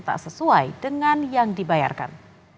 tak sesuai dengan yang dibayarkan